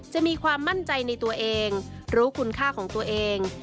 จะมีความมั่นใจในตัวเองรู้คุณค่าของตัวเอง